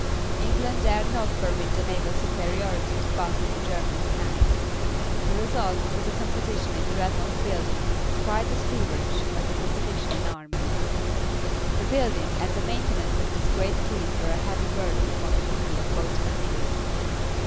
England dared not permit the naval superiority to pass into Germany's hands. The result was a competition in dreadnaught building quite as feverish as the competition in armies. The building and maintenance of these great fleets were a heavy burden upon the people of both countries.